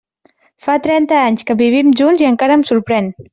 Fa trenta anys que vivim junts i encara em sorprèn.